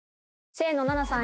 清野菜名さん